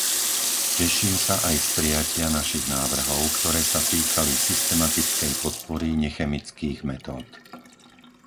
Teším sa aj z prijatia našich návrhov, ktoré sa týkali systematickej podpory nechemických metód.